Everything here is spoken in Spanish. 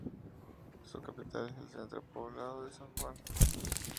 Su capital es el centro poblado de San Juan.